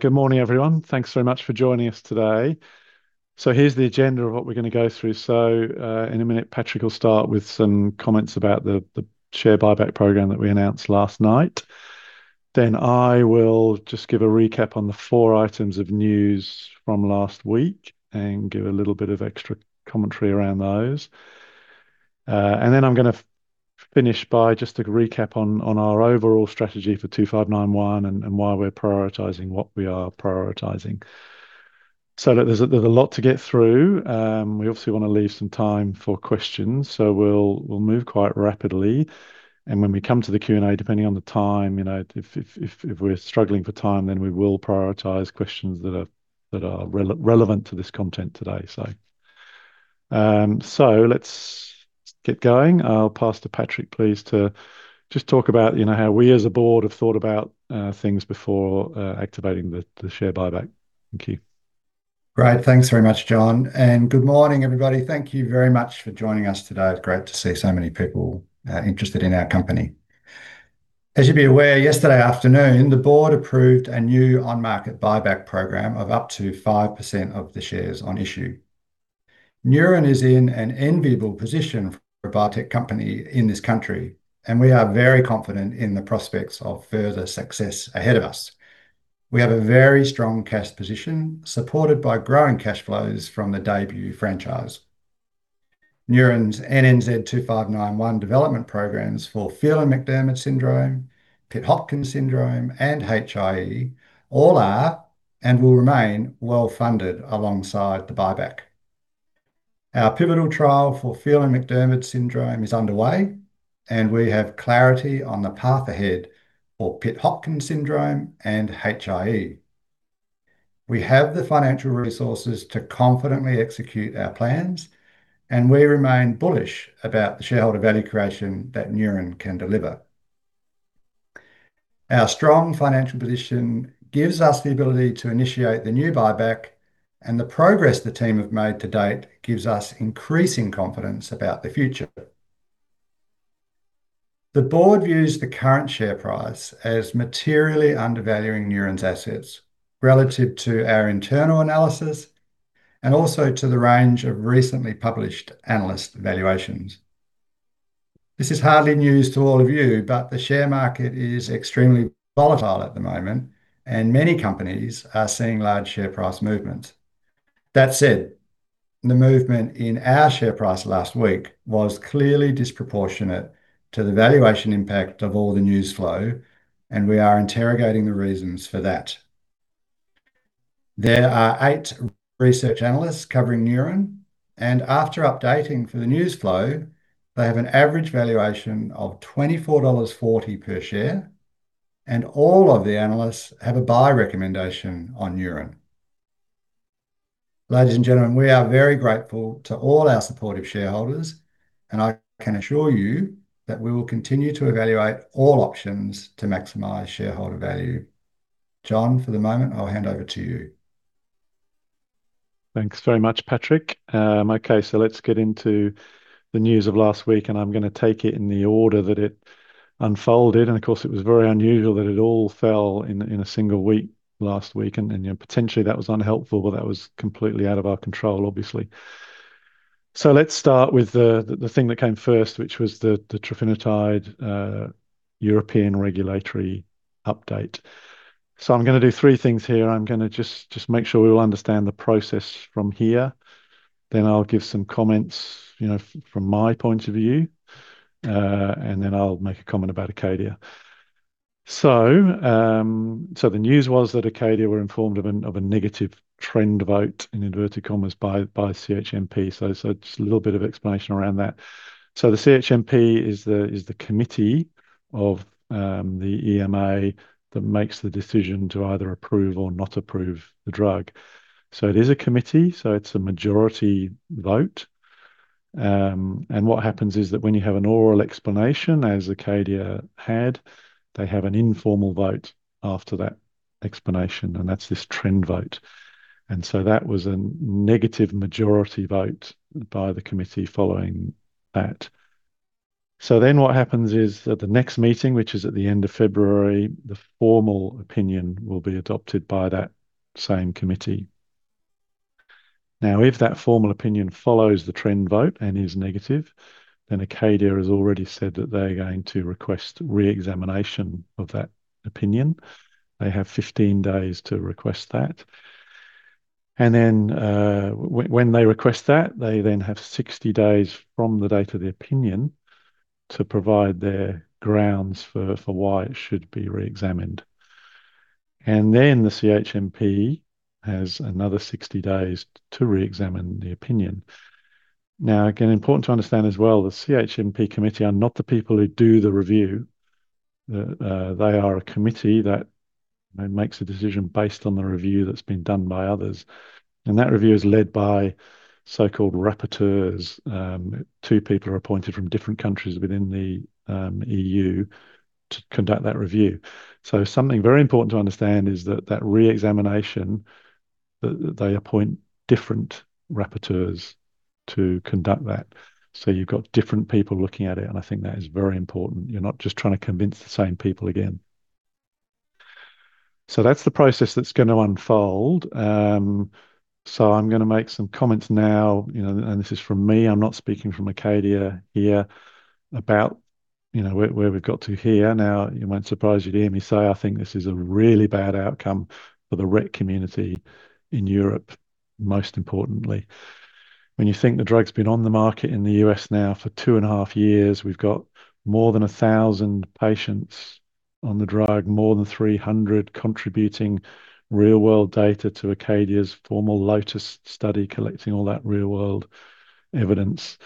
Good morning, everyone. Thanks very much for joining us today. So here's the agenda of what we're going to go through. So in a minute, Patrick will start with some comments about the share buyback program that we announced last night. Then I will just give a recap on the four items of news from last week and give a little bit of extra commentary around those. And then I'm going to finish by just a recap on our overall strategy for 2591 and why we're prioritizing what we are prioritizing. So look, there's a lot to get through. We obviously want to leave some time for questions, so we'll move quite rapidly. And when we come to the Q&A, depending on the time, you know if we're struggling for time, then we will prioritize questions that are relevant to this content today. So let's get going. I'll pass to Patrick, please, to just talk about how we as a board have thought about things before activating the share buyback. Thank you. Great. Thanks very much, Jon. And good morning, everybody. Thank you very much for joining us today. It's great to see so many people interested in our company. As you'll be aware, yesterday afternoon, the board approved a new on-market buyback program of up to 5% of the shares on issue. Neuren is in an enviable position for a biotech company in this country, and we are very confident in the prospects of further success ahead of us. We have a very strong cash position supported by growing cash flows from the DAYBUE franchise. Neuren's NNZ-2591 development programs for Phelan-McDermid syndrome, Pitt Hopkins syndrome, and HIE all are and will remain well-funded alongside the buyback. Our pivotal trial for Phelan-McDermid syndrome is underway, and we have clarity on the path ahead for Pitt Hopkins syndrome and HIE. We have the financial resources to confidently execute our plans, and we remain bullish about the shareholder value creation that Neuren can deliver. Our strong financial position gives us the ability to initiate the new buyback, and the progress the team have made to date gives us increasing confidence about the future. The board views the current share price as materially undervaluing Neuren's assets relative to our internal analysis and also to the range of recently published analyst valuations. This is hardly news to all of you, but the share market is extremely volatile at the moment, and many companies are seeing large share price movements. That said, the movement in our share price last week was clearly disproportionate to the valuation impact of all the news flow, and we are interrogating the reasons for that. There are eight research analysts covering Neuren, and after updating for the news flow, they have an average valuation of $24.40 per share, and all of the analysts have a buy recommendation on Neuren. Ladies and gentlemen, we are very grateful to all our supportive shareholders, and I can assure you that we will continue to evaluate all options to maximize shareholder value. Jon, for the moment, I'll hand over to you. Thanks very much, Patrick. Okay, so let's get into the news of last week, and I'm going to take it in the order that it unfolded. Of course, it was very unusual that it all fell in a single week last week, and potentially that was unhelpful, but that was completely out of our control, obviously. Let's start with the thing that came first, which was the trofinetide European regulatory update. I'm going to do three things here. I'm going to just make sure we will understand the process from here. Then I'll give some comments from my point of view, and then I'll make a comment about Acadia. The news was that Acadia were informed of a negative trend vote in inverted commas by CHMP. Just a little bit of explanation around that. So the CHMP is the committee of the EMA that makes the decision to either approve or not approve the drug. So it is a committee, so it's a majority vote. And what happens is that when you have an oral explanation, as Acadia had, they have an informal vote after that explanation, and that's this trend vote. And so that was a negative majority vote by the committee following that. So then what happens is at the next meeting, which is at the end of February, the formal opinion will be adopted by that same committee. Now, if that formal opinion follows the trend vote and is negative, then Acadia has already said that they're going to request reexamination of that opinion. They have 15 days to request that. And then when they request that, they then have 60 days from the date of the opinion to provide their grounds for why it should be reexamined. And then the CHMP has another 60 days to reexamine the opinion. Now, again, important to understand as well, the CHMP committee are not the people who do the review. They are a committee that makes a decision based on the review that's been done by others. And that review is led by so-called rapporteurs. Two people are appointed from different countries within the EU to conduct that review. So something very important to understand is that that reexamination, they appoint different rapporteurs to conduct that. So you've got different people looking at it, and I think that is very important. You're not just trying to convince the same people again. So that's the process that's going to unfold. So I'm going to make some comments now, and this is from me. I'm not speaking from Acadia here about where we've got to here. Now, it won't surprise you to hear me say I think this is a really bad outcome for the Rett community in Europe, most importantly. When you think the drug's been on the market in the U.S. now for two and a half years, we've got more than 1,000 patients on the drug, more than 300 contributing real-world data to Acadia's formal LOTUS study, collecting all that real-world evidence.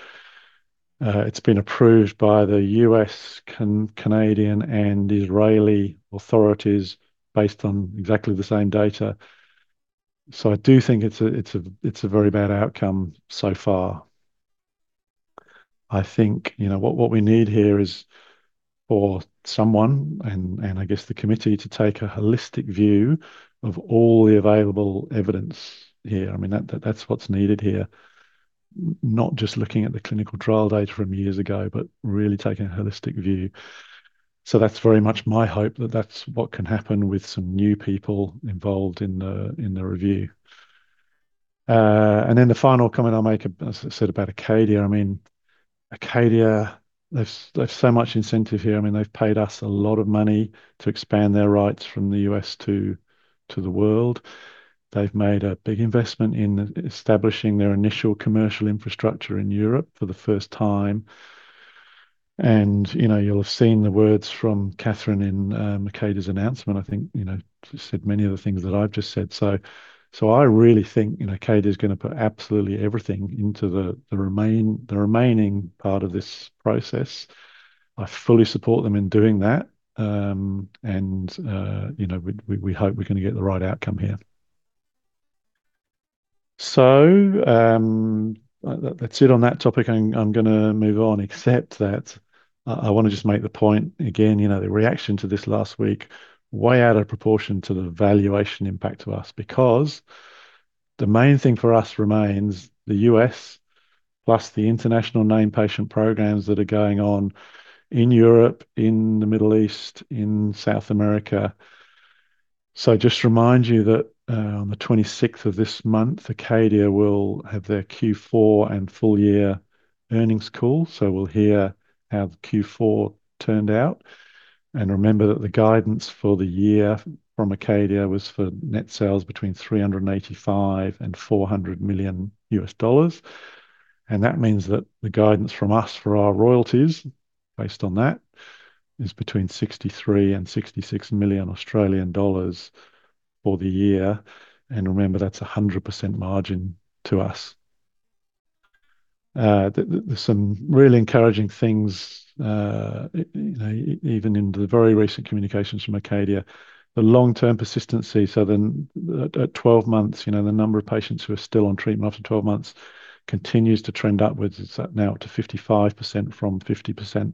It's been approved by the U.S., Canadian, and Israeli authorities based on exactly the same data. So I do think it's a very bad outcome so far. I think what we need here is for someone and I guess the committee to take a holistic view of all the available evidence here. I mean, that's what's needed here, not just looking at the clinical trial data from years ago, but really taking a holistic view. So that's very much my hope that that's what can happen with some new people involved in the review. And then the final comment I'll make, as I said, about Acadia. I mean, Acadia, they've so much incentive here. I mean, they've paid us a lot of money to expand their rights from the U.S. to the world. They've made a big investment in establishing their initial commercial infrastructure in Europe for the first time. And you'll have seen the words from Catherine in Acadia's announcement, I think, said many of the things that I've just said. So I really think Acadia is going to put absolutely everything into the remaining part of this process. I fully support them in doing that. And we hope we're going to get the right outcome here. So that's it on that topic. I'm going to move on, except that I want to just make the point again, the reaction to this last week, way out of proportion to the valuation impact to us, because the main thing for us remains the U.S. plus the international named patient programs that are going on in Europe, in the Middle East, in South America. So just remind you that on the 26th of this month, Acadia will have their Q4 and full-year earnings call. So we'll hear how the Q4 turned out. And remember that the guidance for the year from Acadia was for net sales between $385 million and $400 million. And that means that the guidance from us for our royalties, based on that, is between 63 million and 66 million Australian dollars for the year. And remember, that's a 100% margin to us. There's some really encouraging things, even in the very recent communications from Acadia. The long-term persistency, so then at 12 months, the number of patients who are still on treatment after 12 months continues to trend upwards. It's now up to 55% from 50%.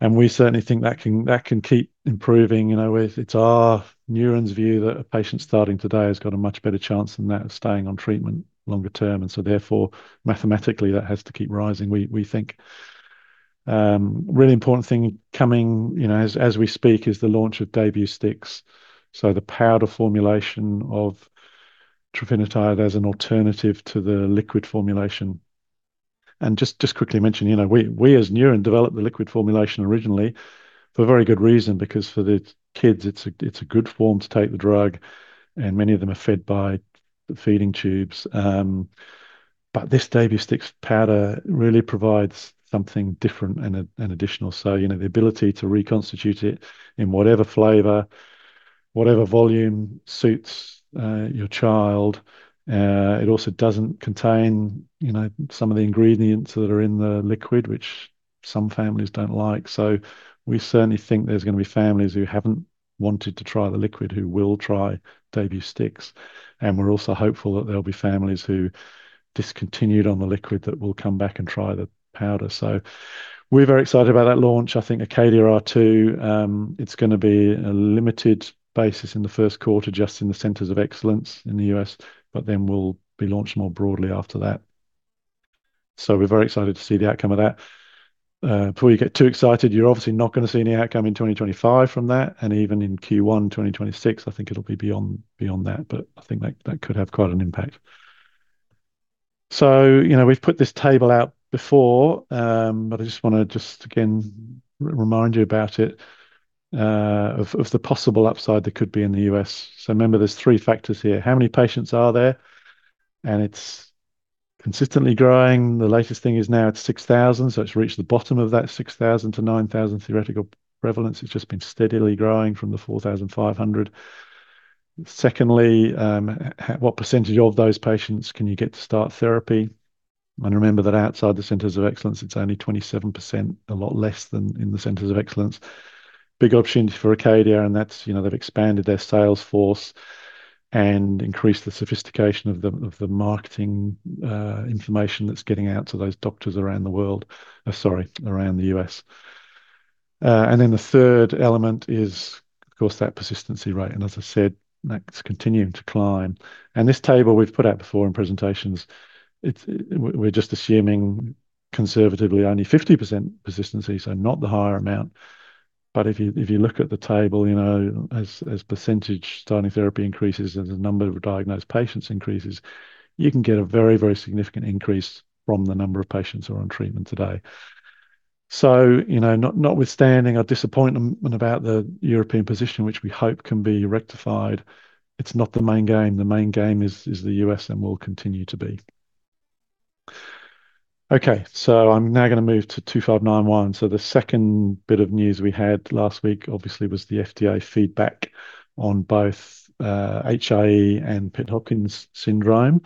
And we certainly think that can keep improving. It's our Neuren's view that a patient starting today has got a much better chance than that of staying on treatment longer term. And so therefore, mathematically, that has to keep rising, we think. Really important thing coming as we speak is the launch of DAYBUE STIX. So the powder formulation of trofinetide as an alternative to the liquid formulation. And just quickly mention, we as Neuren developed the liquid formulation originally for a very good reason, because for the kids, it's a good form to take the drug, and many of them are fed by feeding tubes. But this DAYBUE STIX powder really provides something different and additional. So the ability to reconstitute it in whatever flavor, whatever volume suits your child. It also doesn't contain some of the ingredients that are in the liquid, which some families don't like. So we certainly think there's going to be families who haven't wanted to try the liquid, who will try DAYBUE STIX. And we're also hopeful that there'll be families who discontinued on the liquid that will come back and try the powder. So we're very excited about that launch. I think Acadia are too. It's going to be a limited basis in the first quarter, just in the Centers of Excellence in the U.S., but then we'll be launched more broadly after that. So we're very excited to see the outcome of that. Before you get too excited, you're obviously not going to see any outcome in 2025 from that. And even in Q1 2026, I think it'll be beyond that. But I think that could have quite an impact. So we've put this table out before, but I just want to just again remind you about it, of the possible upside that could be in the U.S. So remember, there's three factors here. How many patients are there? And it's consistently growing. The latest thing is now it's 6,000. So it's reached the bottom of that 6,000-9,000 theoretical prevalence. It's just been steadily growing from the 4,500. Secondly, what percentage of those patients can you get to start therapy? And remember that outside the Centers of Excellence, it's only 27%, a lot less than in the Centers of Excellence. Big opportunity for Acadia, and that's they've expanded their sales force and increased the sophistication of the marketing information that's getting out to those doctors around the world, sorry, around the U.S. And then the third element is, of course, that persistence rate. And as I said, that's continuing to climb. And this table we've put out before in presentations, we're just assuming conservatively only 50% persistence, so not the higher amount. But if you look at the table, you know as percentage starting therapy increases, as the number of diagnosed patients increases, you can get a very, very significant increase from the number of patients who are on treatment today. So you know, notwithstanding our disappointment about the European position, which we hope can be rectified, it's not the main game. The main game is the U.S. and will continue to be. Okay, so I'm now going to move to 2591. So the second bit of news we had last week, obviously, was the FDA feedback on both HIE and Pitt Hopkins syndrome.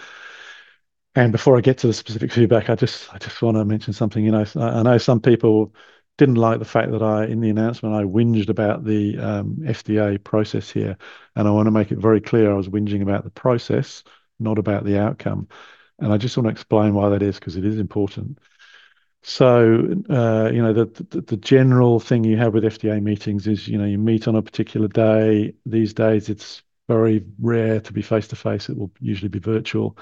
And before I get to the specific feedback, I just want to mention something. You know I know some people didn't like the fact that I in the announcement, I whinged about the FDA process here. And I want to make it very clear I was whinging about the process, not about the outcome. And I just want to explain why that is, because it is important. So you know the general thing you have with FDA meetings is you know you meet on a particular day. These days, it's very rare to be face-to-face. It will usually be virtual.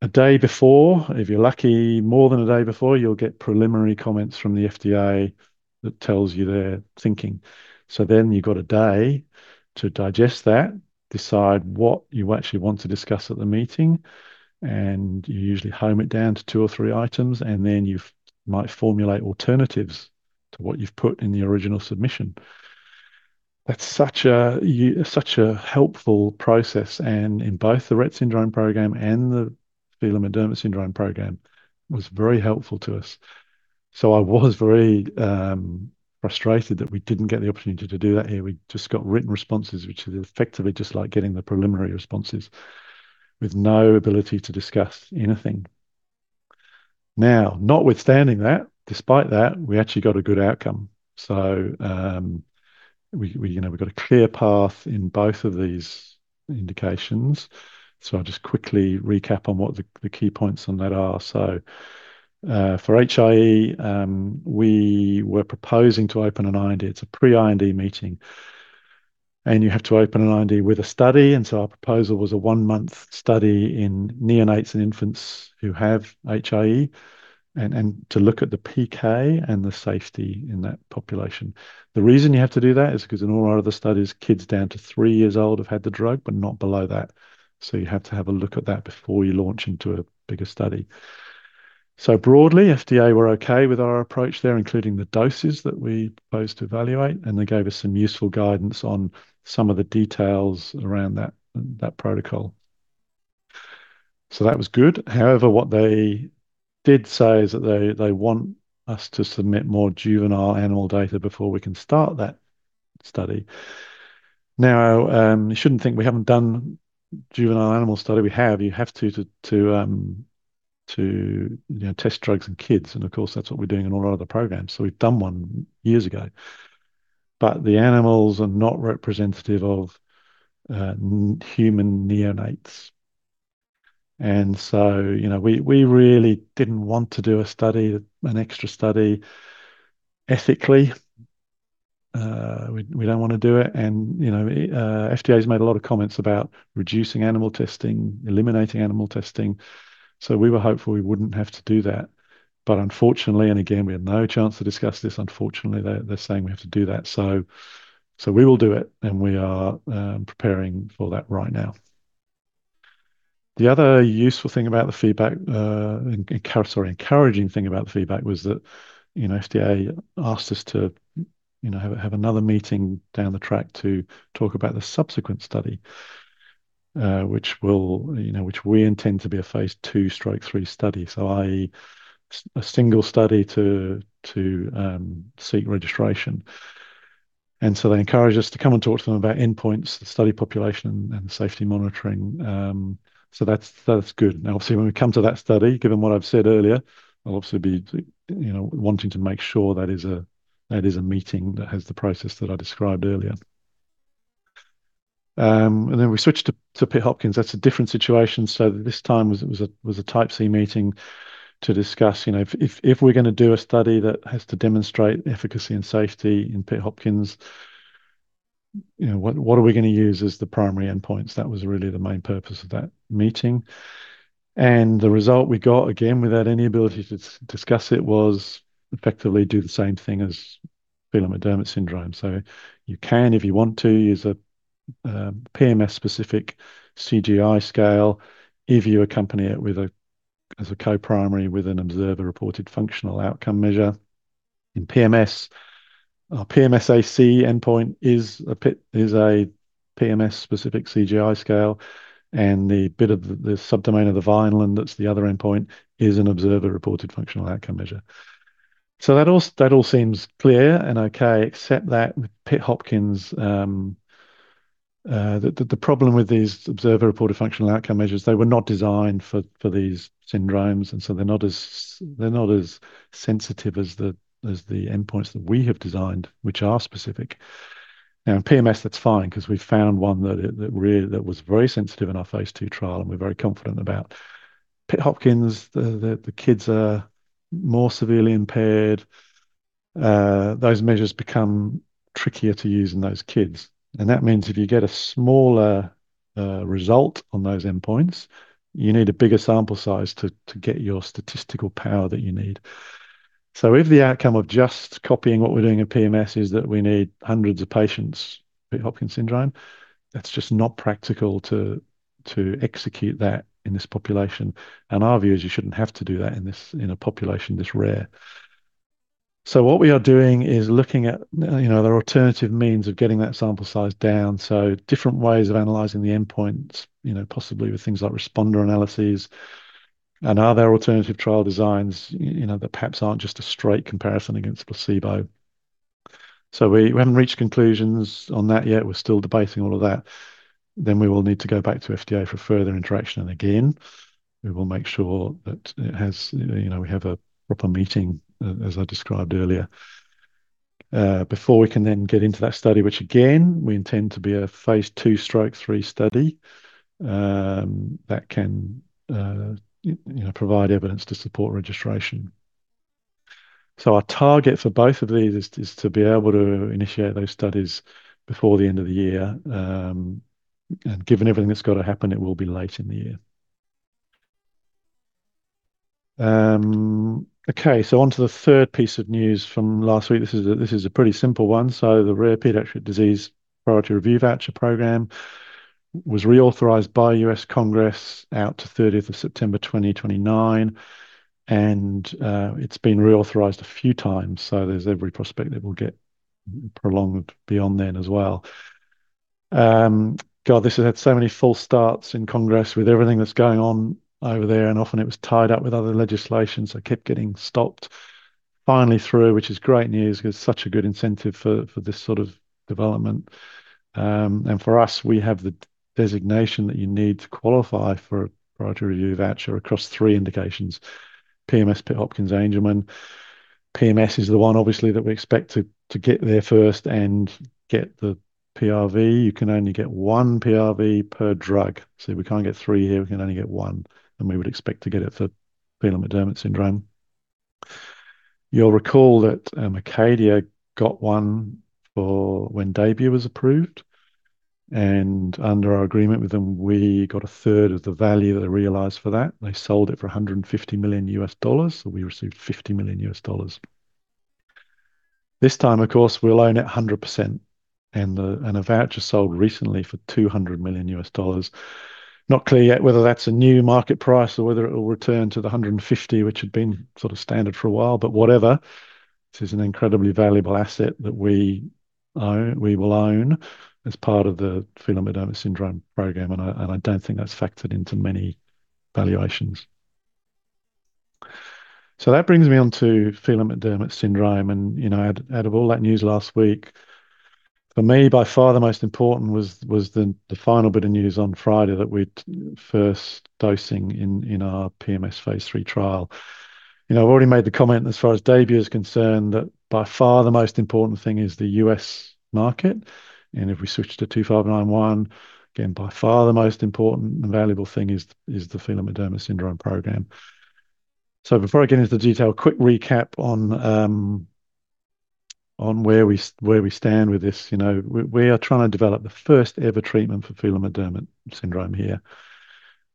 A day before, if you're lucky, more than a day before, you'll get preliminary comments from the FDA that tells you they're thinking. So then you've got a day to digest that, decide what you actually want to discuss at the meeting, and you usually hone it down to two or three items, and then you might formulate alternatives to what you've put in the original submission. That's such a helpful process. And in both the Rett syndrome program and the Phelan-McDermid syndrome program, it was very helpful to us. So I was very frustrated that we didn't get the opportunity to do that here. We just got written responses, which is effectively just like getting the preliminary responses with no ability to discuss anything. Now, notwithstanding that, despite that, we actually got a good outcome. So we've got a clear path in both of these indications. So I'll just quickly recap on what the key points on that are. So for HIE, we were proposing to open an IND. It's a pre-IND meeting. And you have to open an IND with a study. And so our proposal was a one-month study in neonates and infants who have HIE and to look at the PK and the safety in that population. The reason you have to do that is because in all our other studies, kids down to three years old have had the drug, but not below that. So you have to have a look at that before you launch into a bigger study. So broadly, FDA were okay with our approach there, including the doses that we proposed to evaluate. They gave us some useful guidance on some of the details around that protocol. So that was good. However, what they did say is that they want us to submit more juvenile animal data before we can start that study. Now, you shouldn't think we haven't done juvenile animal study. We have. You have to test drugs in kids. And of course, that's what we're doing in all our other programs. So we've done one years ago. But the animals are not representative of human neonates. And so you know we really didn't want to do a study, an extra study ethically. We don't want to do it. And you know FDA has made a lot of comments about reducing animal testing, eliminating animal testing. So we were hopeful we wouldn't have to do that. But unfortunately, and again, we had no chance to discuss this, unfortunately, they're saying we have to do that. So we will do it. We are preparing for that right now. The other useful thing about the feedback, and sorry, encouraging thing about the feedback, was that you know FDA asked us to you know have another meeting down the track to talk about the subsequent study, which will you know which we intend to be a phase II/III study. So i.e., a single study to seek registration. So they encourage us to come and talk to them about endpoints, the study population, and the safety monitoring. So that's good. Now, obviously, when we come to that study, given what I've said earlier, I'll obviously be, you know, wanting to make sure that is a meeting that has the process that I described earlier. And then we switched to Pitt Hopkins. That's a different situation. So this time was a type C meeting to discuss, you know, if we're going to do a study that has to demonstrate efficacy and safety in Pitt Hopkins, you know, what are we going to use as the primary endpoints? That was really the main purpose of that meeting. And the result we got, again, without any ability to discuss it, was effectively do the same thing as Phelan-McDermid syndrome. So you can, if you want to, use a PMS-specific CGI scale if you accompany it with a co-primary with an observer-reported functional outcome measure. In PMS, our PMS-AC endpoint is a PMS-specific CGI scale. And the bit of the subdomain of the Vineland and that's the other endpoint is an observer-reported functional outcome measure. So that all seems clear and okay, except that with Pitt Hopkins, the problem with these observer-reported functional outcome measures, they were not designed for these syndromes. And so they're not as sensitive as the endpoints that we have designed, which are specific. Now, in PMS, that's fine because we've found one that really was very sensitive in our phase II trial and we're very confident about. Pitt Hopkins, the kids are more severely impaired. Those measures become trickier to use in those kids. And that means if you get a smaller result on those endpoints, you need a bigger sample size to get your statistical power that you need. So if the outcome of just copying what we're doing in PMS is that we need hundreds of patients, Pitt Hopkins syndrome, that's just not practical to execute that in this population. Our view is you shouldn't have to do that in a population this rare. What we are doing is looking at you know there are alternative means of getting that sample size down. Different ways of analyzing the endpoints, you know possibly with things like responder analyses. Are there alternative trial designs you know that perhaps aren't just a straight comparison against placebo? We haven't reached conclusions on that yet. We're still debating all of that. We will need to go back to FDA for further interaction. Again, we will make sure that it has you know we have a proper meeting, as I described earlier, before we can then get into that study, which again, we intend to be a phase II/III study that can you know provide evidence to support registration. So our target for both of these is to be able to initiate those studies before the end of the year. Given everything that's got to happen, it will be late in the year. Okay, so on to the third piece of news from last week. This is a pretty simple one. So the Rare Pediatric Disease Priority Review Voucher Program was reauthorized by U.S. Congress out to 30th September 2029. And it's been reauthorized a few times. So there's every prospect it will get prolonged beyond then as well. God, this has had so many false starts in Congress with everything that's going on over there. And often it was tied up with other legislation. So it kept getting stopped. Finally through, which is great news because it's such a good incentive for this sort of development. And for us, we have the designation that you need to qualify for a priority review voucher across three indications. PMS, Pitt Hopkins, Angelman. PMS is the one, obviously, that we expect to get there first and get the PRV. You can only get one PRV per drug. So we can't get three here. We can only get one. And we would expect to get it for Phelan-McDermid syndrome. You'll recall that Acadia got one for when DAYBUE was approved. And under our agreement with them, we got a third of the value that they realized for that. They sold it for $150 million. So we received $50 million. This time, of course, we'll own it 100%. And a voucher sold recently for $200 million. Not clear yet whether that's a new market price or whether it will return to the $150, which had been sort of standard for a while. But whatever, this is an incredibly valuable asset that we will own as part of the Phelan-McDermid syndrome program. And I don't think that's factored into many valuations. So that brings me on to Phelan-McDermid syndrome. And you know out of all that news last week, for me, by far the most important was the final bit of news on Friday that we'd first dosing in our PMS phase III trial. You know I've already made the comment as far as DAYBUE is concerned that by far the most important thing is the U.S. market. And if we switch to 2591, again, by far the most important and valuable thing is the Phelan-McDermid syndrome program. So before I get into the detail, a quick recap on where we stand with this. You know we are trying to develop the first ever treatment for Phelan-McDermid syndrome here.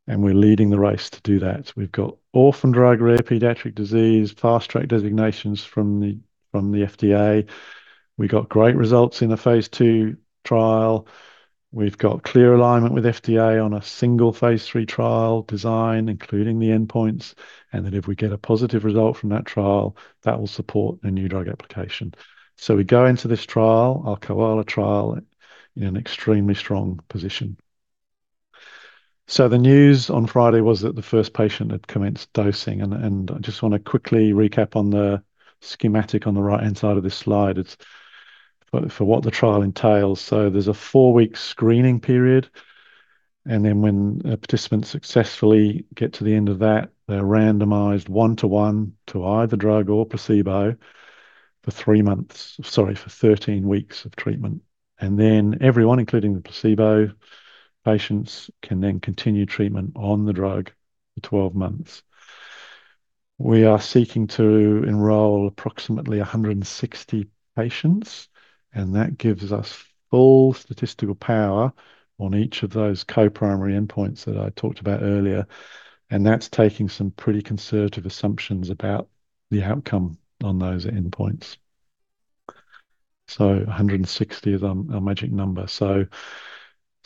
And we're leading the race to do that. We've got Orphan Drug Rare Pediatric Disease, Fast Track designations from the FDA. We've got great results in the phase II trial. We've got clear alignment with FDA on a single phase III trial design, including the endpoints. And then if we get a positive result from that trial, that will support a new drug application. We go into this trial, our Koala trial, in an extremely strong position. The news on Friday was that the first patient had commenced dosing. I just want to quickly recap on the schematic on the right-hand side of this slide. It's for what the trial entails. There's a four-week screening period. Then when participants successfully get to the end of that, they're randomized 1:1 to either drug or placebo for three months, sorry, for 13 weeks of treatment. Then everyone, including the placebo patients, can then continue treatment on the drug for 12 months. We are seeking to enroll approximately 160 patients. That gives us full statistical power on each of those co-primary endpoints that I talked about earlier. That's taking some pretty conservative assumptions about the outcome on those endpoints. 160 is our magic number. So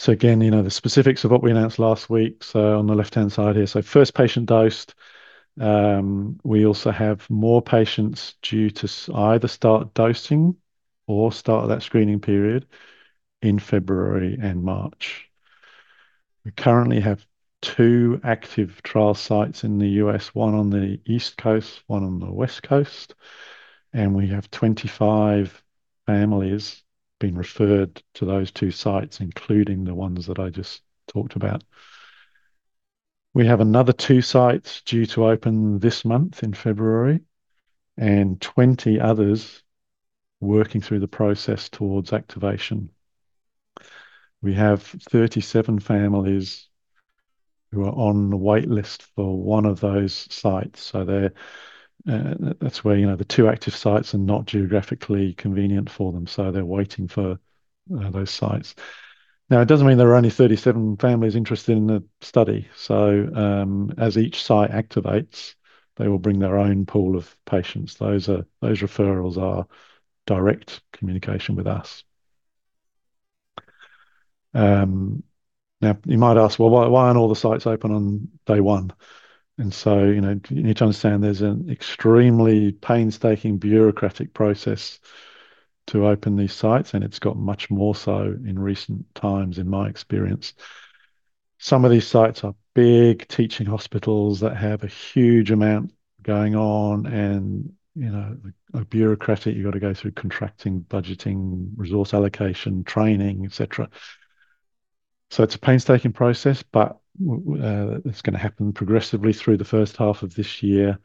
again, you know the specifics of what we announced last week. So on the left-hand side here, so first patient dosed. We also have more patients due to either start dosing or start that screening period in February and March. We currently have two active trial sites in the U.S., one on the East Coast, one on the West Coast. And we have 25 families being referred to those two sites, including the ones that I just talked about. We have another two sites due to open this month in February and 20 others working through the process towards activation. We have 37 families who are on the wait list for one of those sites. So they're that's where, you know, the two active sites are not geographically convenient for them. So they're waiting for those sites. Now, it doesn't mean there are only 37 families interested in the study. So, as each site activates, they will bring their own pool of patients. Those are those referrals are direct communication with us. Now, you might ask, well, why aren't all the sites open on day one? So, you know, you need to understand there's an extremely painstaking bureaucratic process to open these sites. And it's got much more so in recent times, in my experience. Some of these sites are big teaching hospitals that have a huge amount going on. You know, a bureaucratic, you've got to go through contracting, budgeting, resource allocation, training, etc. So it's a painstaking process, but it's going to happen progressively through the first half of this year.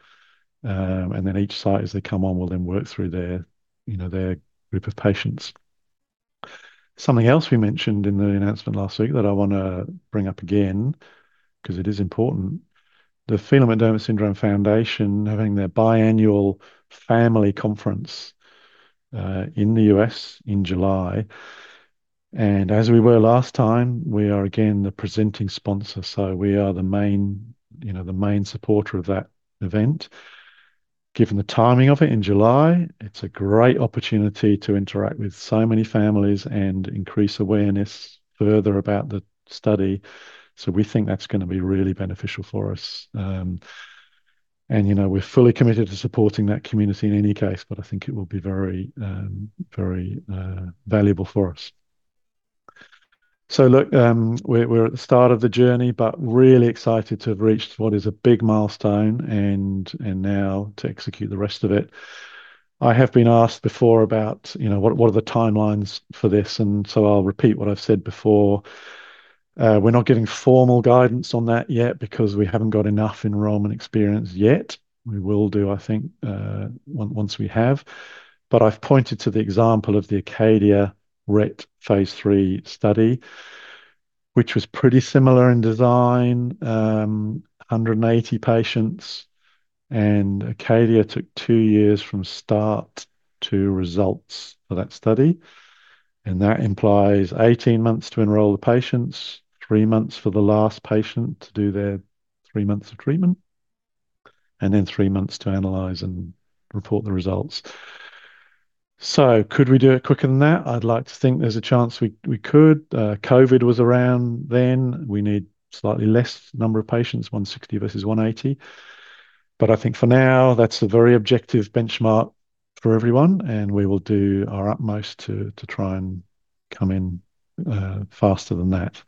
Then each site, as they come on, will then work through their, you know, their group of patients. Something else we mentioned in the announcement last week that I want to bring up again because it is important, the Phelan-McDermid Syndrome Foundation having their biannual family conference in the U.S. in July. As we were last time, we are again the presenting sponsor. We are the main, you know, the main supporter of that event. Given the timing of it in July, it's a great opportunity to interact with so many families and increase awareness further about the study. We think that's going to be really beneficial for us. You know, we're fully committed to supporting that community in any case, but I think it will be very, very, valuable for us. Look, we're at the start of the journey, but really excited to have reached what is a big milestone and now to execute the rest of it. I have been asked before about, you know, what what are the timelines for this? So I'll repeat what I've said before. We're not getting formal guidance on that yet because we haven't got enough enrollment experience yet. We will do, I think, once we have. But I've pointed to the example of the Acadia Rett phase III study, which was pretty similar in design, 180 patients. And Acadia took two years from start to results for that study. And that implies 18 months to enroll the patients, three months for the last patient to do their three months of treatment, and then three months to analyze and report the results. So could we do it quicker than that? I'd like to think there's a chance we could. COVID was around then. We need a slightly less number of patients, 160 versus 180. But I think for now, that's a very objective benchmark for everyone. And we will do our utmost to try and come in faster than that.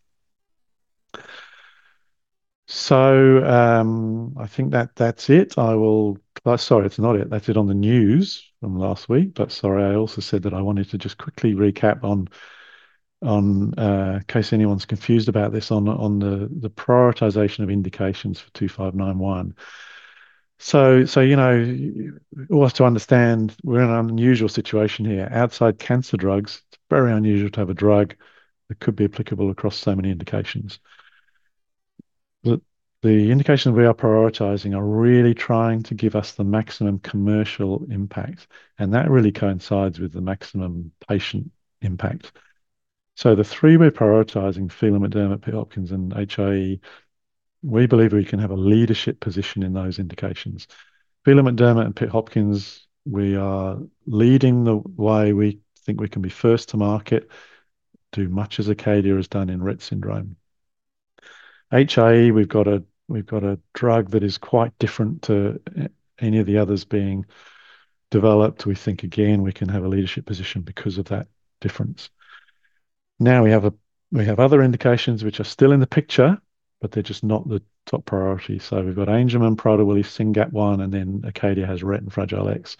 So, I think that that's it. I will, sorry, it's not it. That's it on the news from last week. But sorry, I also said that I wanted to just quickly recap on, in case anyone's confused about this on the prioritization of indications for 2591. So, you know, all has to understand we're in an unusual situation here outside cancer drugs. It's very unusual to have a drug that could be applicable across so many indications. The indications we are prioritizing are really trying to give us the maximum commercial impact. And that really coincides with the maximum patient impact. So the three we're prioritizing, Phelan-McDermid, Pitt-Hopkins, and HIE, we believe we can have a leadership position in those indications. Phelan-McDermid and Pitt-Hopkins, we are leading the way. We think we can be first to market, do much as Acadia has done in Rett syndrome. HIE, we've got a drug that is quite different to any of the others being developed. We think, again, we can have a leadership position because of that difference. Now we have other indications which are still in the picture, but they're just not the top priority. So we've got Angelman, Prader-Willi, SYNGAP1, and then Acadia has Rett and Fragile X.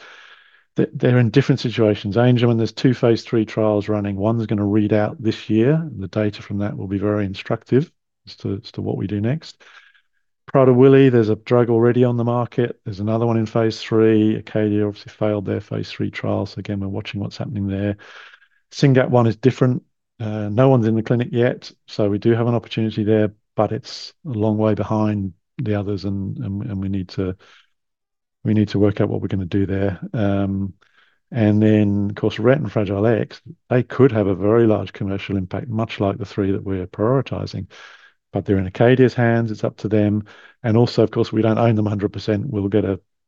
They're in different situations. Angelman, there's two phase III trials running. One's going to read out this year. The data from that will be very instructive as to what we do next. Prader-Willi, there's a drug already on the market. There's another one in phase III. Acadia obviously failed their phase III trial. So again, we're watching what's happening there. SYNGAP1 is different. No one's in the clinic yet. So we do have an opportunity there, but it's a long way behind the others. And we need to work out what we're going to do there. And then, of course, Rett and Fragile X, they could have a very large commercial impact, much like the three that we're prioritizing. But they're in Acadia's hands. It's up to them. And also, of course, we don't own them 100%.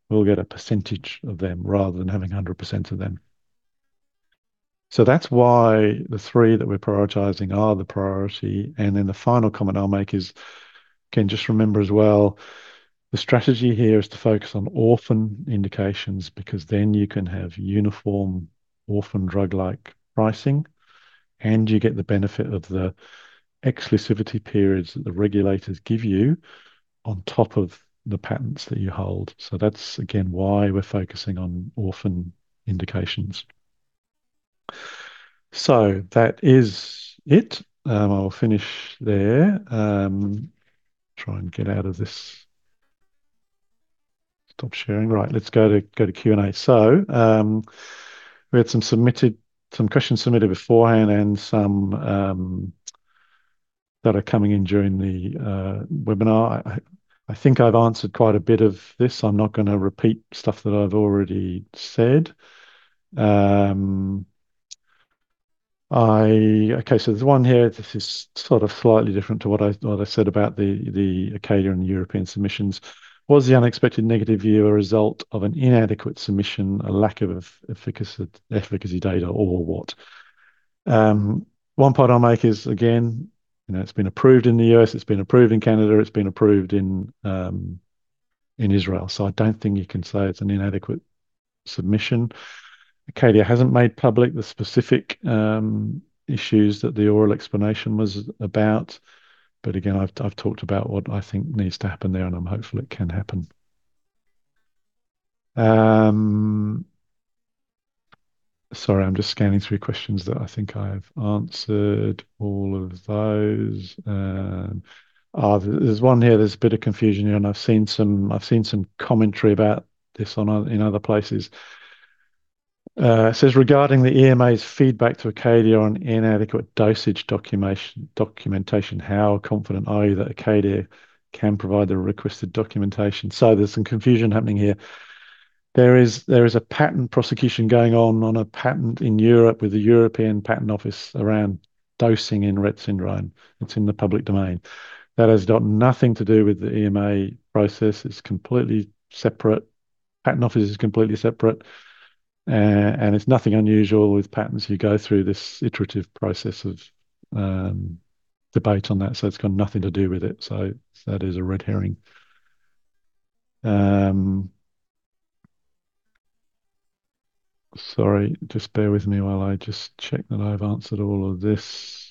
We'll get a percentage of them rather than having 100% of them. So that's why the three that we're prioritizing are the priority. And then the final comment I'll make is, again, just remember as well, the strategy here is to focus on orphan indications because then you can have uniform orphan drug-like pricing and you get the benefit of the exclusivity periods that the regulators give you on top of the patents that you hold. So that's, again, why we're focusing on orphan indications. So that is it. I will finish there. Try and get out of this. Stop sharing. Right. Let's go to Q&A. So we had some questions submitted beforehand and some that are coming in during the webinar. I think I've answered quite a bit of this. I'm not going to repeat stuff that I've already said. Okay, so there's one here. This is sort of slightly different to what I said about the Acadia and European submissions. Was the unexpected negative view a result of an inadequate submission, a lack of efficacy data, or what? One point I'll make is, again, you know it's been approved in the U.S. It's been approved in Canada. It's been approved in Israel. So I don't think you can say it's an inadequate submission. Acadia hasn't made public the specific issues that the oral explanation was about. But again, I've talked about what I think needs to happen there, and I'm hopeful it can happen. Sorry, I'm just scanning through questions that I think I've answered all of those. There's one here. There's a bit of confusion here, and I've seen some commentary about this in other places. It says, regarding the EMA's feedback to Acadia on inadequate dosage documentation, how confident are you that Acadia can provide the requested documentation? So there's some confusion happening here. There is a patent prosecution going on on a patent in Europe with the European Patent Office around dosing in Rett syndrome. It's in the public domain. That has got nothing to do with the EMA process. It's completely separate. Patent Office is completely separate. And it's nothing unusual with patents. You go through this iterative process of debate on that. So it's got nothing to do with it. So that is a red herring. Sorry, just bear with me while I just check that I've answered all of this.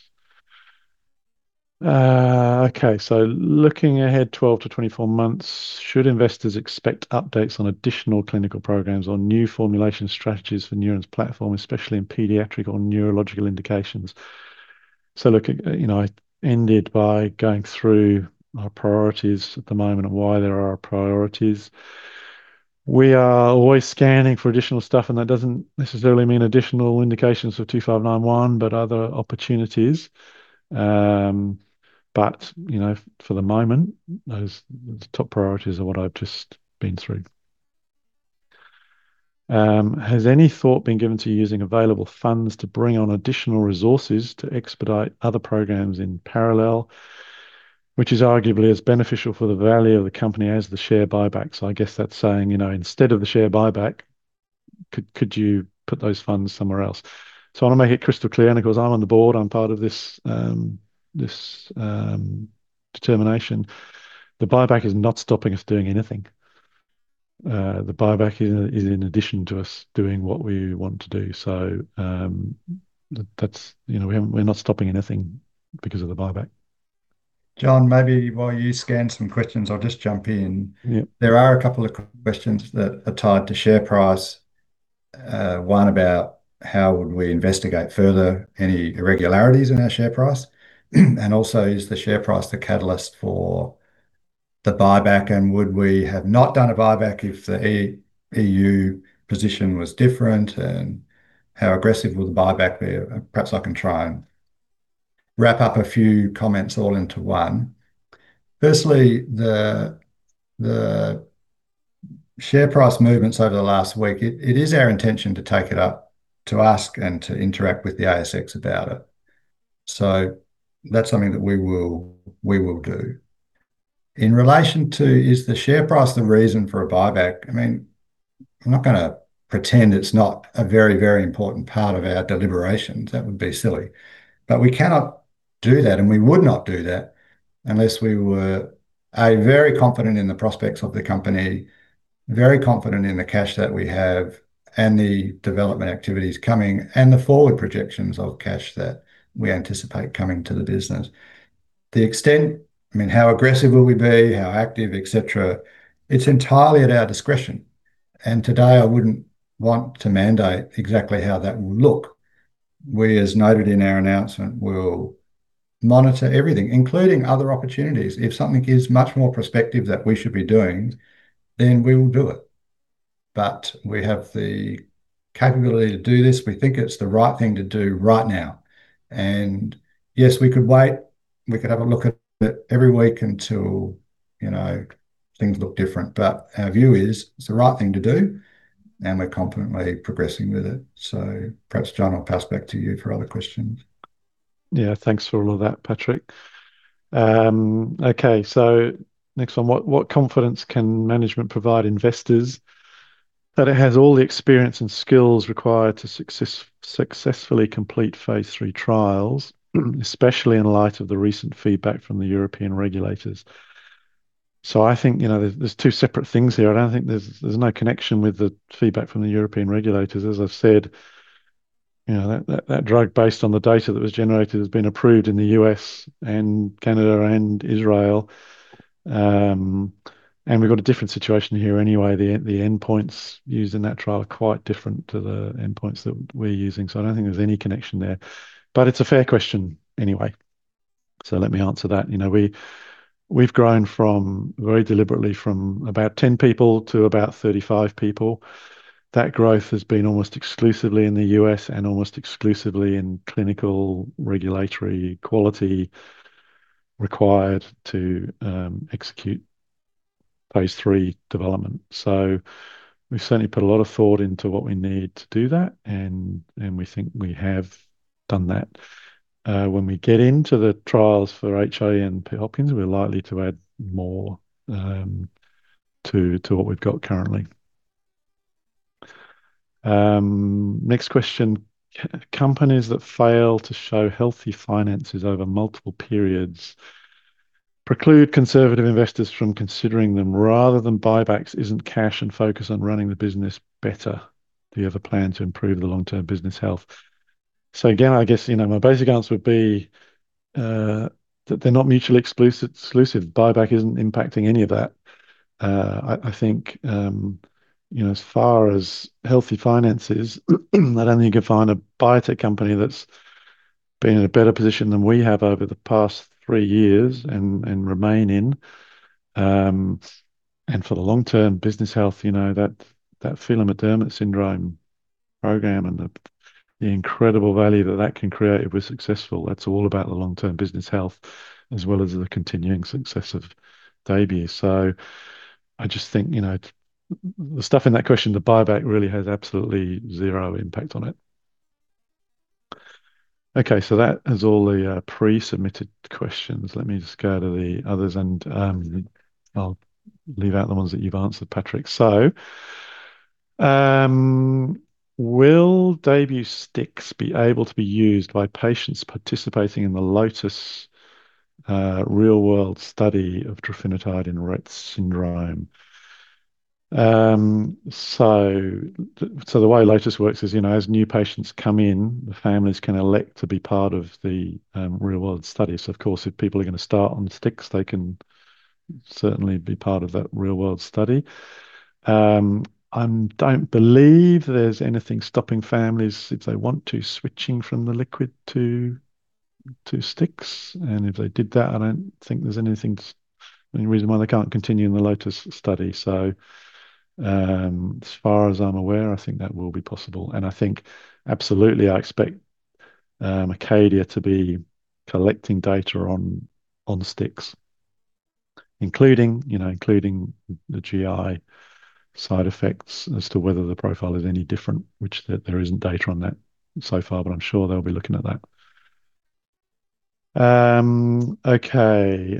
Okay, so looking ahead 12-24 months, should investors expect updates on additional clinical programs or new formulation strategies for Neuren's platform, especially in pediatric or neurological indications? So look, you know, I ended by going through our priorities at the moment and why there are priorities. We are always scanning for additional stuff, and that doesn't necessarily mean additional indications for 2591, but other opportunities. But you know, for the moment, those top priorities are what I've just been through. Has any thought been given to using available funds to bring on additional resources to expedite other programs in parallel, which is arguably as beneficial for the value of the company as the share buyback? So I guess that's saying, you know, instead of the share buyback, could could you put those funds somewhere else? So I want to make it crystal clear. And of course, I'm on the board. I'm part of this this determination. The buyback is not stopping us doing anything. The buyback is in addition to us doing what we want to do. So that's, you know, we haven't— we're not stopping anything because of the buyback. Jon, maybe while you scan some questions, I'll just jump in. Yeah. There are a couple of questions that are tied to share price. One about how would we investigate further any irregularities in our share price? And also, is the share price the catalyst for the buyback? And would we have not done a buyback if the EU position was different? And how aggressive will the buyback be? Perhaps I can try and wrap up a few comments all into one. Firstly, the share price movements over the last week, it is our intention to take it up, to ask and to interact with the ASX about it. So that's something that we will we will do. In relation to, is the share price the reason for a buyback? I mean, I'm not going to pretend it's not a very, very important part of our deliberations. That would be silly. But we cannot do that, and we would not do that unless we were very confident in the prospects of the company, very confident in the cash that we have and the development activities coming and the forward projections of cash that we anticipate coming to the business. The extent, I mean, how aggressive will we be, how active, etc.? It's entirely at our discretion. And today, I wouldn't want to mandate exactly how that will look. We, as noted in our announcement, will monitor everything, including other opportunities. If something gives much more perspective that we should be doing, then we will do it. But we have the capability to do this. We think it's the right thing to do right now. And yes, we could wait. We could have a look at it every week until, you know, things look different. But our view is it's the right thing to do, and we're confidently progressing with it. So perhaps, Jon, I'll pass back to you for other questions. Yeah, thanks for all of that, Patrick. Okay, so next one, what confidence can management provide investors that it has all the experience and skills required to successfully complete phase III trials, especially in light of the recent feedback from the European regulators? So I think, you know, there's two separate things here. I don't think there's no connection with the feedback from the European regulators. As I've said, you know, that that drug, based on the data that was generated, has been approved in the U.S., Canada, and Israel. And we've got a different situation here anyway. The endpoints used in that trial are quite different to the endpoints that we're using. So I don't think there's any connection there. But it's a fair question anyway. Let me answer that. You know we've grown very deliberately from about 10 people to about 35 people. That growth has been almost exclusively in the U.S. and almost exclusively in clinical regulatory quality required to execute phase III development. So we've certainly put a lot of thought into what we need to do that. And we think we have done that. When we get into the trials for HIE and Pitt Hopkins, we're likely to add more to what we've got currently. Next question. Companies that fail to show healthy finances over multiple periods preclude conservative investors from considering them rather than buybacks. Isn't cash and focus on running the business better the other plan to improve the long-term business health? So again, I guess you know my basic answer would be that they're not mutually exclusive. Buyback isn't impacting any of that. I think you know as far as healthy finances, I don't think you can find a biotech company that's been in a better position than we have over the past three years and remain in. And for the long-term business health, you know that Phelan-McDermid syndrome program and the incredible value that can create if we're successful, that's all about the long-term business health as well as the continuing success of DAYBUE. So I just think you know the stuff in that question, the buyback really has absolutely zero impact on it. Okay, so that is all the pre-submitted questions. Let me just go to the others and I'll leave out the ones that you've answered, Patrick. So will DAYBUE STIX be able to be used by patients participating in the LOTUS real-world study of trofinetide in Rett syndrome? So the way LOTUS works is you know as new patients come in, the families can elect to be part of the real-world study. So of course, if people are going to start on STIX, they can certainly be part of that real-world study. I don't believe there's anything stopping families if they want to switch from the liquid to STIX. And if they did that, I don't think there's anything, any reason why they can't continue in the LOTUS study. So as far as I'm aware, I think that will be possible. I think absolutely I expect Acadia to be collecting data on STIX, including you know including the GI side effects as to whether the profile is any different, which there isn't data on that so far. But I'm sure they'll be looking at that. Okay. Okay,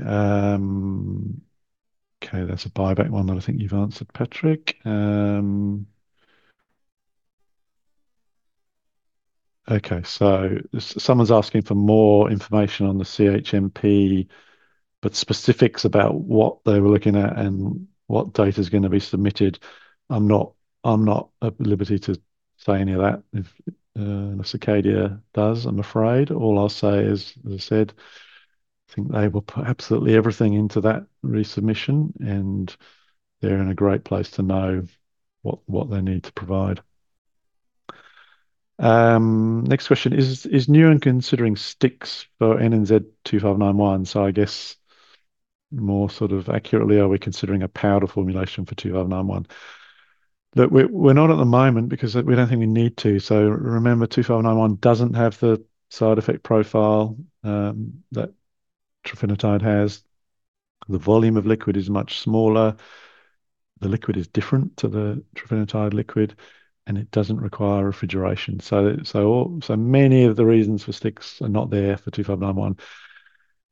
that's a buyback one that I think you've answered, Patrick. Okay, so someone's asking for more information on the CHMP, but specifics about what they were looking at and what data is going to be submitted. I'm not at liberty to say any of that if unless Acadia does, I'm afraid. All I'll say is, as I said, I think they will put absolutely everything into that resubmission and they're in a great place to know what they need to provide. Next question. Is Neuren considering STIX for NNZ-2591? So, I guess more sort of accurately, are we considering a powder formulation for 2591? Look, we're not at the moment because we don't think we need to. So remember, 2591 doesn't have the side effect profile that trofinetide has. The volume of liquid is much smaller. The liquid is different to the trofinetide liquid and it doesn't require refrigeration. So, so many of the reasons for sticks are not there for 2591.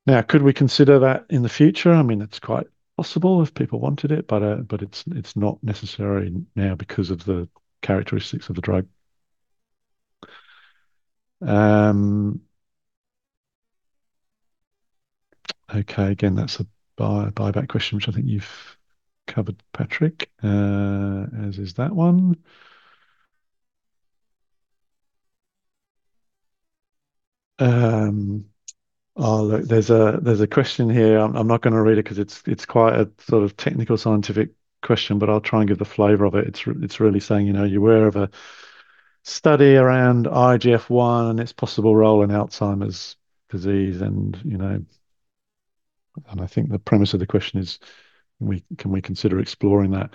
Now, could we consider that in the future? I mean, it's quite possible if people wanted it, but it's not necessary now because of the characteristics of the drug. Okay, again, that's a buyback question, which I think you've covered, Patrick, as is that one. Oh look, there's a question here. I'm not going to read it because it's quite a sort of technical scientific question, but I'll try and give the flavor of it. It's really saying, you know, you're aware of a study around IGF-1 and its possible role in Alzheimer's disease. And you know, and I think the premise of the question is, can we consider exploring that?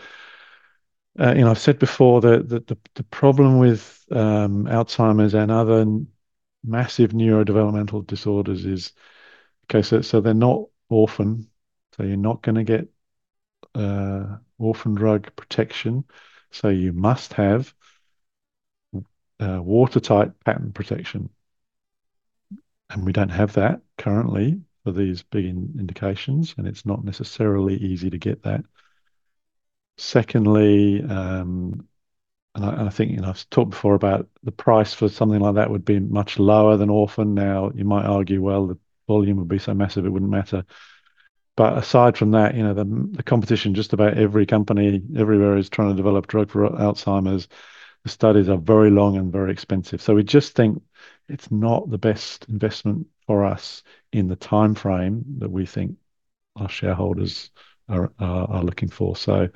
You know, I've said before that the problem with Alzheimer's and other massive neurodevelopmental disorders is, okay, so they're not orphan. So you're not going to get orphan drug protection. So you must have watertight patent protection. And we don't have that currently for these big indications and it's not necessarily easy to get that. Secondly, and I think you know I've talked before about the price for something like that would be much lower than orphan. Now, you might argue, well, the volume would be so massive, it wouldn't matter. But aside from that, you know, the competition just about every company everywhere is trying to develop drugs for Alzheimer's. The studies are very long and very expensive. So we just think it's not the best investment for us in the timeframe that we think our shareholders are looking for. So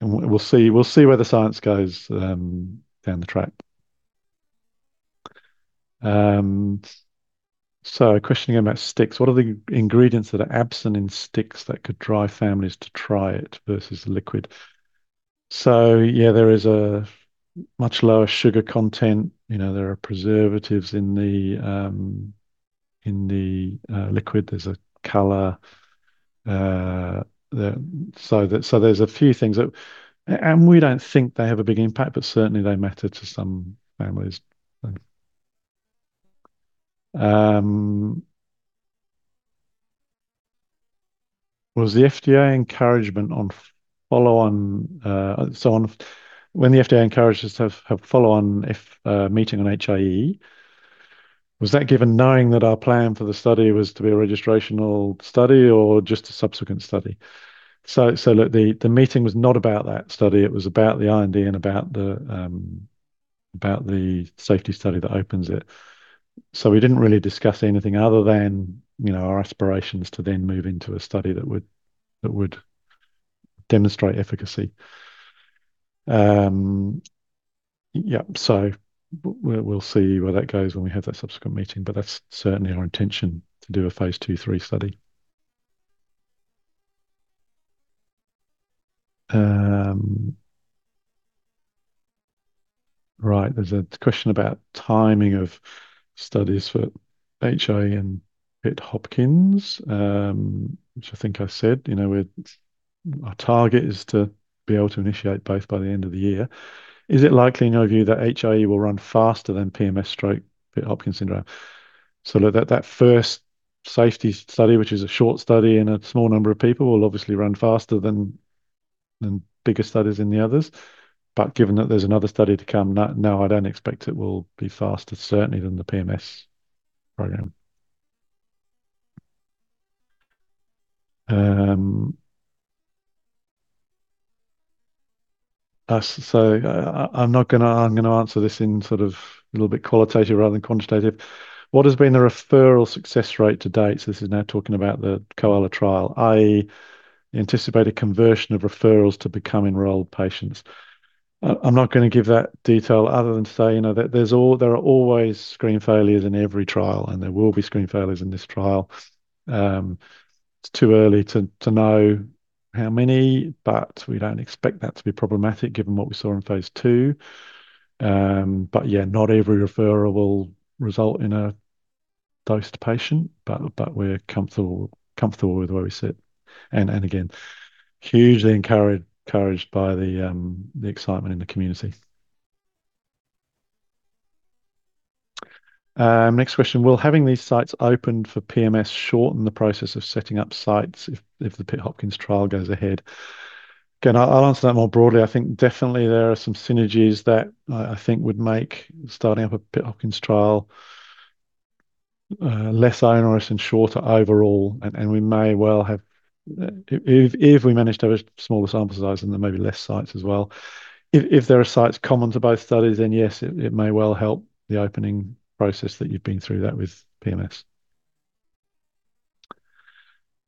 we'll see where the science goes down the track. So a question again about STIX. What are the ingredients that are absent in STIX that could drive families to try it versus the liquid? So yeah, there is a much lower sugar content. You know, there are preservatives in the liquid. There's a color. So there's a few things that, and we don't think they have a big impact, but certainly they matter to some families. Was the FDA encouragement on follow-on? So, on when the FDA encourages to have follow-on meeting on HIE, was that given knowing that our plan for the study was to be a registrational study or just a subsequent study? So look, the meeting was not about that study. It was about the IND and about the safety study that opens it. So we didn't really discuss anything other than, you know, our aspirations to then move into a study that would that would demonstrate efficacy. Yeah, so we'll see where that goes when we have that subsequent meeting, but that's certainly our intention to do a phase II/III study. Right, there's a question about timing of studies for HIE and Pitt-Hopkins, which I think I said. You know, our target is to be able to initiate both by the end of the year. Is it likely, in your view, that HIE will run faster than PMS, PWS, Pitt Hopkins syndrome? So look, that first safety study, which is a short study in a small number of people, will obviously run faster than bigger studies in the others. But given that there's another study to come, now I don't expect it will be faster, certainly than the PMS program. So I'm not going to answer this in sort of a little bit qualitative rather than quantitative. What has been the referral success rate to date? So this is now talking about the Koala trial, i.e., the anticipated conversion of referrals to become enrolled patients. I'm not going to give that detail other than to say, you know, that there are always screen failures in every trial and there will be screen failures in this trial. It's too early to know how many, but we don't expect that to be problematic given what we saw in phase II. But yeah, not every referral will result in a dosed patient, but we're comfortable with where we sit. And again, hugely encouraged by the excitement in the community. Next question. Will having these sites opened for PMS shorten the process of setting up sites if the Pitt Hopkins trial goes ahead? Again, I'll answer that more broadly. I think definitely there are some synergies that I think would make starting up a Pitt Hopkins trial less onerous and shorter overall. And we may well have, if we managed to have a smaller sample size than there may be less sites as well. If there are sites common to both studies, then yes, it may well help the opening process that you've been through that with PMS.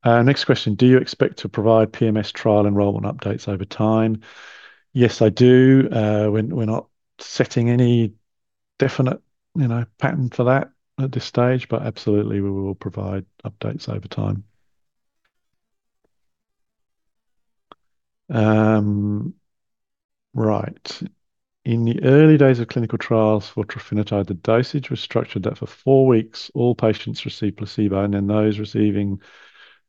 Next question. Do you expect to provide PMS trial enrollment updates over time? Yes, I do. We're not setting any definite, you know, pattern for that at this stage, but absolutely we will provide updates over time. Right. In the early days of clinical trials for trofinetide, the dosage was structured that for four weeks, all patients receive placebo. And then those receiving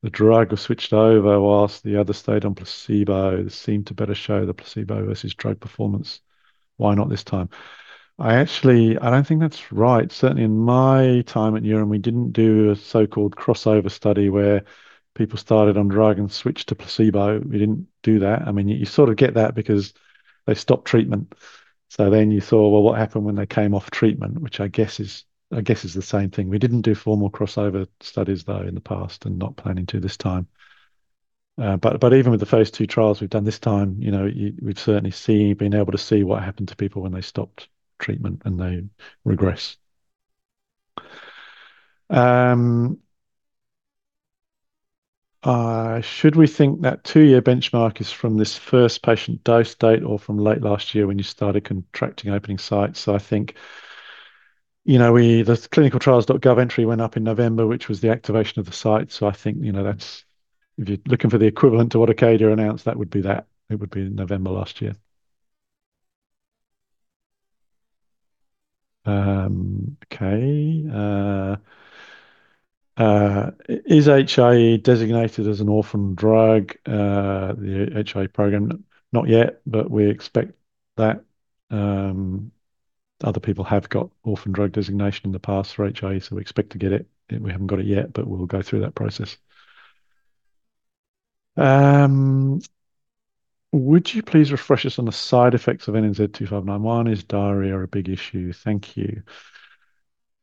the drug were switched over whilst the other stayed on placebo. This seemed to better show the placebo versus drug performance. Why not this time? I actually, I don't think that's right. Certainly in my time at Neuren, we didn't do a so-called crossover study where people started on drug and switched to placebo. We didn't do that. I mean, you sort of get that because they stopped treatment. So then you thought, well, what happened when they came off treatment, which I guess is the same thing. We didn't do formal crossover studies, though, in the past and not planning to this time. But even with the phase II trials we've done this time, you know, we've certainly seen being able to see what happened to people when they stopped treatment and they regress. Should we think that two-year benchmark is from this first patient dose date or from late last year when you started contracting opening sites? So I think, you know, the ClinicalTrials.gov entry went up in November, which was the activation of the site. So I think, you know, that's if you're looking for the equivalent to what Acadia announced, that would be that. It would be in November last year. Okay. Is HIE designated as an orphan drug? The HIE program, not yet, but we expect that. Other people have got Orphan Drug Designation in the past for HIE, so we expect to get it. We haven't got it yet, but we'll go through that process. Would you please refresh us on the side effects of NNZ-2591? Is diarrhea a big issue? Thank you.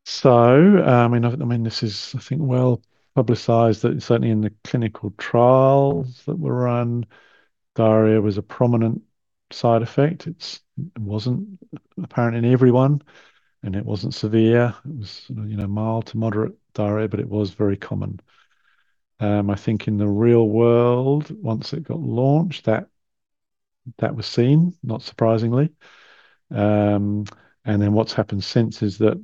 So, I mean, I mean this is, I think, well publicized that certainly in the clinical trials that were run, diarrhea was a prominent side effect. It wasn't apparent in everyone and it wasn't severe. It was, you know, mild to moderate diarrhea, but it was very common. I think in the real world, once it got launched, that that was seen, not surprisingly. And then what's happened since is that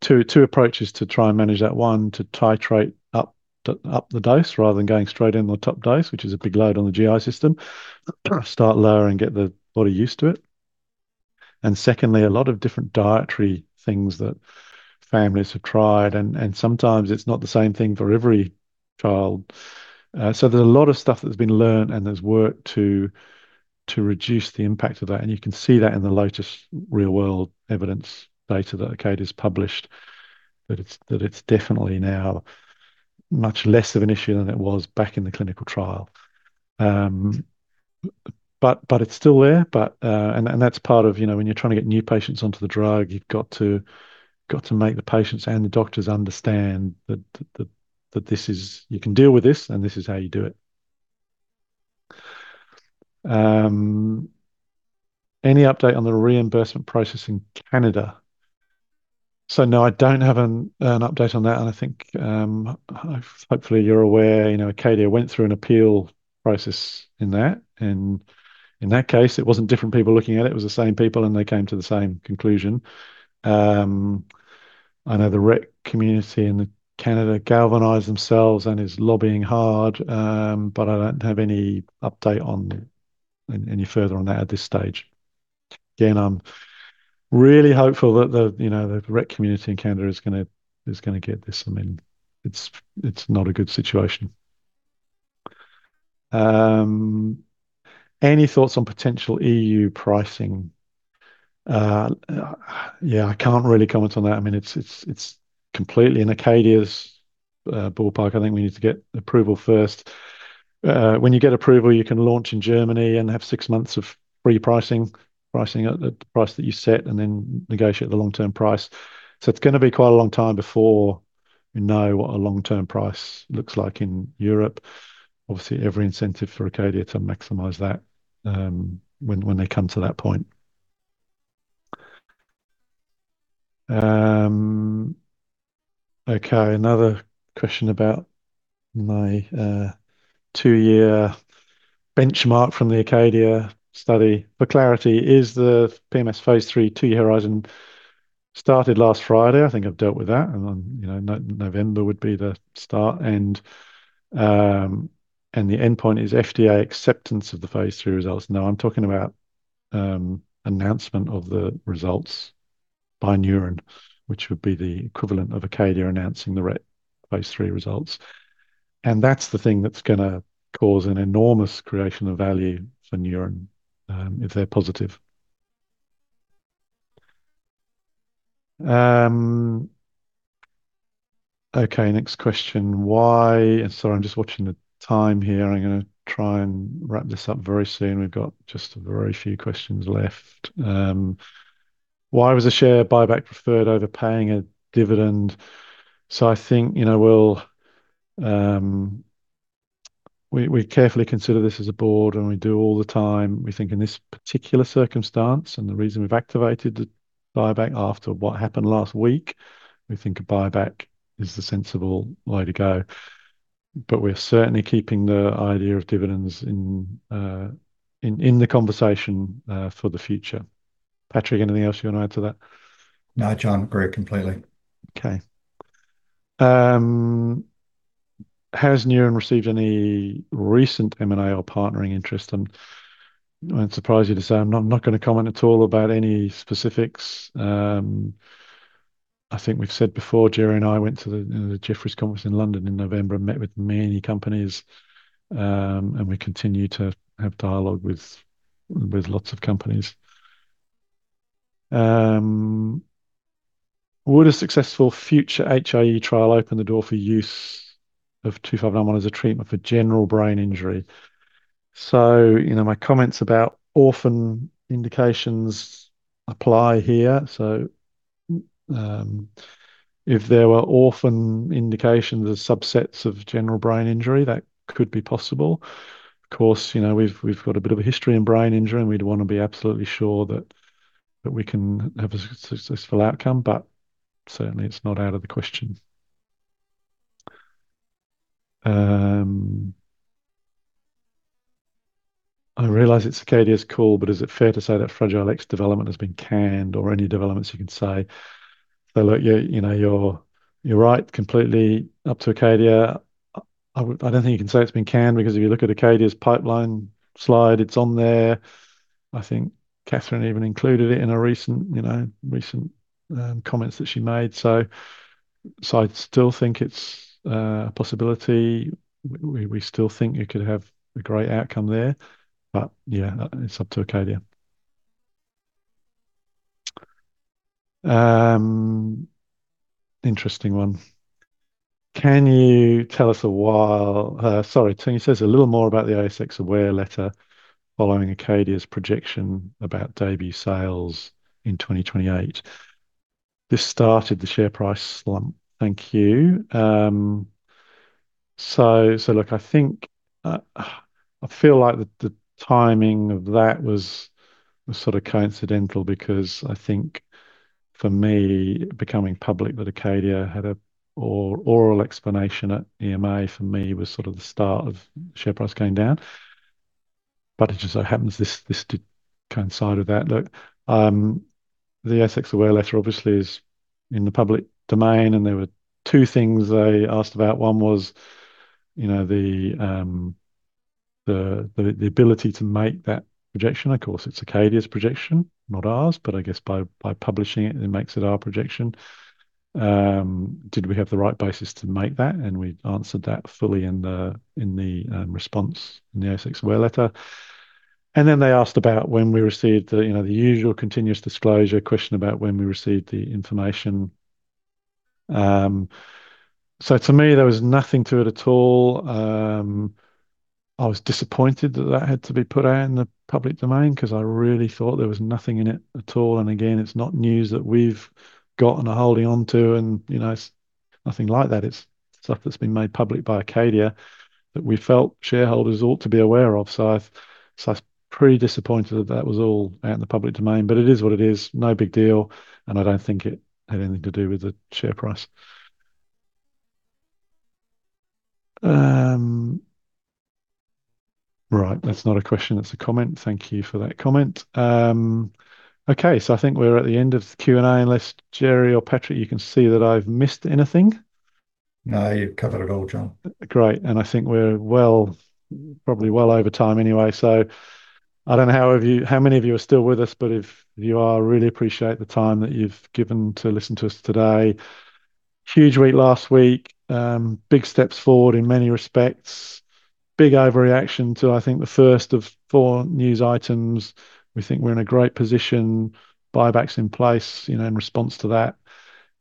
two approaches to try and manage that: one, to titrate up the dose rather than going straight in the top dose, which is a big load on the GI system, start lower and get the body used to it. And secondly, a lot of different dietary things that families have tried, and sometimes it's not the same thing for every child. So there's a lot of stuff that's been learned and there's work to reduce the impact of that. And you can see that in the latest real-world evidence data that Acadia has published, that it's definitely now much less of an issue than it was back in the clinical trial. But it's still there. But and that's part of, you know, when you're trying to get new patients onto the drug, you've got to got to make the patients and the doctors understand that that that this is, you can deal with this and this is how you do it. Any update on the reimbursement process in Canada? So no, I don't have an update on that. And I think, hopefully you're aware, you know, Acadia went through an appeal process in that. And in that case, it wasn't different people looking at it. It was the same people and they came to the same conclusion. I know the Rett community in Canada galvanized themselves and is lobbying hard, but I don't have any update on any further on that at this stage. Again, I'm really hopeful that the, you know, the Rett community in Canada is going to is going to get this. I mean, it's not a good situation. Any thoughts on potential EU pricing? Yeah, I can't really comment on that. I mean, it's completely in Acadia's ballpark. I think we need to get approval first. When you get approval, you can launch in Germany and have six months of free pricing, pricing at the price that you set and then negotiate the long-term price. So it's going to be quite a long time before we know what a long-term price looks like in Europe. Obviously, every incentive for Acadia to maximize that, when they come to that point. Okay, another question about my two-year benchmark from the Acadia study. For clarity, is the PMS phase III two-year horizon started last Friday? I think I've dealt with that. And on, you know, November would be the start. The endpoint is FDA acceptance of phase III results. No, I'm talking about announcement of the results by Neuren, which would be the equivalent of Acadia announcing the Rett phase III results. And that's the thing that's going to cause an enormous creation of value for Neuren, if they're positive. Okay, next question. Why? Sorry, I'm just watching the time here. I'm going to try and wrap this up very soon. We've got just a very few questions left. Why was a share buyback preferred over paying a dividend? So I think, you know, we'll we carefully consider this as a board and we do all the time. We think in this particular circumstance and the reason we've activated the buyback after what happened last week, we think a buyback is the sensible way to go. But we're certainly keeping the idea of dividends in the conversation, for the future. Patrick, anything else you want to add to that? No, Jon, agree completely. Okay. Has Neuren received any recent M&A or partnering interest? I'm surprised to say I'm not going to comment at all about any specifics. I think we've said before, Gerry and I went to the Jefferies conference in London in November and met with many companies, and we continue to have dialogue with lots of companies. Would a successful future HIE trial open the door for use of 2591 as a treatment for general brain injury? So, you know, my comments about orphan indications apply here. So if there were orphan indications as subsets of general brain injury, that could be possible. Of course, you know, we've got a bit of a history in brain injury and we'd want to be absolutely sure that we can have a successful outcome, but certainly it's not out of the question. I realize it's Acadia's call, but is it fair to say that Fragile X development has been canned or any developments you can say? So look, you know, you're right completely up to Acadia. I don't think you can say it's been canned because if you look at Acadia's pipeline slide, it's on there. I think Catherine even included it in a recent, you know, comments that she made. So I still think it's a possibility. We still think you could have a great outcome there, but yeah, it's up to Acadia. Interesting one. Can you tell us a while, sorry, Tony, say a little more about the ASX Aware Letter following Acadia's projection about DAYBUE sales in 2028? This started the share price slump. Thank you. So look, I think, I feel like the timing of that was sort of coincidental because I think for me becoming public that Acadia had an oral explanation at EMA for me was sort of the start of the share price going down. But it just so happens this did coincide with that. Look, the ASX Aware Letter obviously is in the public domain and there were two things they asked about. One was, you know, the ability to make that projection. Of course, it's Acadia's projection, not ours, but I guess by publishing it, it makes it our projection. Did we have the right basis to make that? We answered that fully in the response in the ASX Aware Letter. And then they asked about when we received the, you know, the usual continuous disclosure question about when we received the information. So to me, there was nothing to it at all. I was disappointed that that had to be put out in the public domain because I really thought there was nothing in it at all. And again, it's not news that we've gotten a holding onto and, you know, it's nothing like that. It's stuff that's been made public by Acadia that we felt shareholders ought to be aware of. So I'm pretty disappointed that that was all out in the public domain, but it is what it is. No big deal. And I don't think it had anything to do with the share price. Right. That's not a question. That's a comment. Thank you for that comment. Okay. So I think we're at the end of the Q&A. Unless Gerry or Patrick, you can see that I've missed anything. No, you've covered it all, Jon. Great. And I think we're well, probably well over time anyway. So I don't know how many of you are still with us, but if you are, I really appreciate the time that you've given to listen to us today. Huge week last week, big steps forward in many respects, big overreaction to, I think, the first of four news items. We think we're in a great position, buybacks in place, you know, in response to that.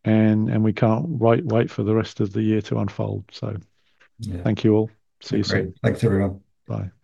And we can't wait for the rest of the year to unfold. So yeah, thank you all. See you soon. Great. Thanks, everyone. Bye. Thank you.